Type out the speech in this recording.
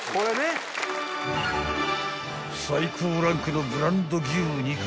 ［最高ランクのブランド牛肉